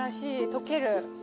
溶ける。